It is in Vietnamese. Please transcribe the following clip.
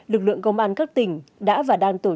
lực lượng công an các tỉnh đã và đang tổ chức